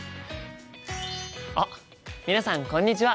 あっ皆さんこんにちは！